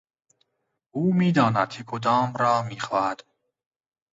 او میداند که کدام را میخواهد.